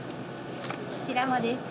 こちらもです。